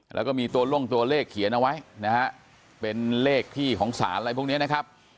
แล้วก็มีตัวลงตัวเลขเขียนเอาไว้นะฮะเป็นเลขที่ของสารอะไรพวกนี้นะครับ